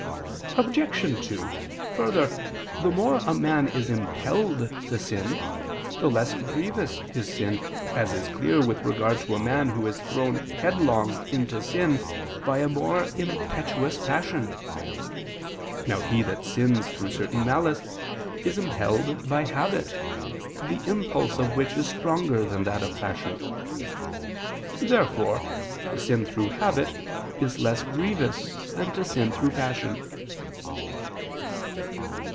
Obj. 2: Further, the more a man is impelled to sin, the less grievous his sin, as is clear with regard to a man who is thrown headlong into sin by a more impetuous passion. Now he that sins through certain malice, is impelled by habit, the impulse of which is stronger than that of passion. Therefore to sin through habit is less grievous than to sin through passion.